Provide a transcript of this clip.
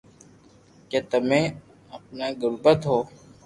ڪي تمي ايتا غريب ھون